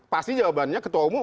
pasti jawabannya ketua umum